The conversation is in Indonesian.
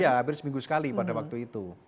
ya hampir seminggu sekali pada waktu itu